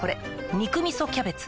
「肉みそキャベツ」